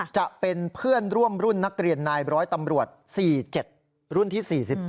จะเป็นเพื่อนร่วมรุ่นนักเรียนนายร้อยตำรวจ๔๗รุ่นที่๔๗